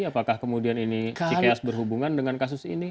apakah kemudian ini cks berhubungan dengan kasus ini